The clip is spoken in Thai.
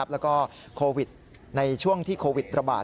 แล้วก็โควิดในช่วงที่โควิดระบาด